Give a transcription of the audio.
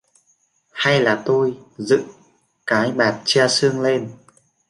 Hay là tôi dựng cái bạt che sương lên